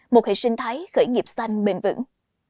một hệ sinh thái khởi nghiệp xanh bền vững